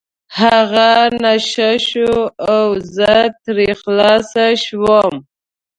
هغه نشه شو او زه ترې خلاص شوم.